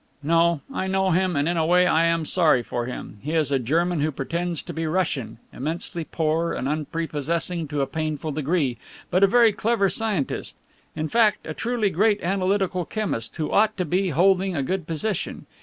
"No I know him and in a way I am sorry for him. He is a German who pretends to be Russian. Immensely poor and unprepossessing to a painful degree, but a very clever scientist. In fact, a truly great analytical chemist who ought to be holding a good position.